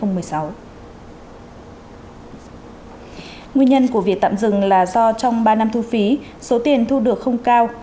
nguyên nhân của việc tạm dừng là do trong ba năm thu phí số tiền thu được không cao